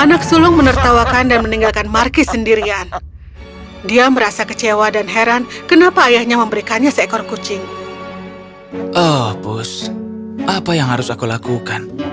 apa yang harus aku lakukan